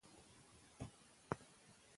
زه د خپلو هیلو له پاره صبر کوم.